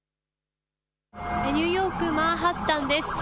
ニューヨーク・マンハッタンです。